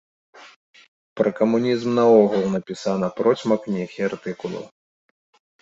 Пра камунізм наогул напісана процьма кніг і артыкулаў.